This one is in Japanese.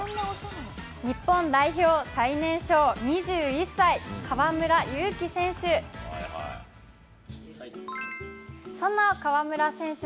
日本代表最年少２１歳、河村勇輝選手。